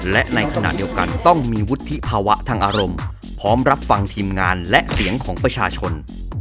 และในขณะเดียวกันต้องมีวุฒิภาวะทางอารมณ์พร้อมรับฟังทีมงานและเสียงของประชาชน